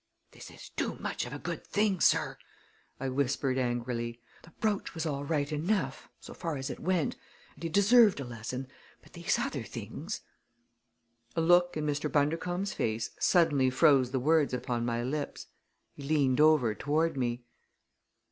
"This is too much of a good thing, sir," I whispered angrily. "The brooch was all right enough, so far as it went, and he deserved a lesson; but these other things " A look in Mr. Bundercombe's face suddenly froze the words upon my lips. He leaned over toward me.